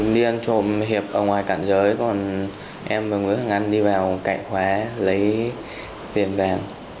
đi ăn trộm hiệp ở ngoài cản giới còn em và nguyễn hoàng anh đi vào cãi khóa lấy tiền vàng